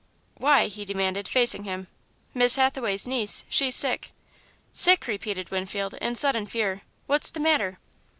"Why?" he demanded, facing him. "Miss Hathaway's niece, she's sick." "Sick!" repeated Winfield, in sudden fear, "what's the matter!"